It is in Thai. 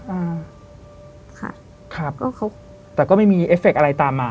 อ่าค่ะครับก็เขาแต่ก็ไม่มีเอฟเคอะไรตามมา